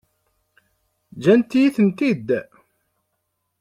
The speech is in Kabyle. Ǧǧant-iyi-tent-id?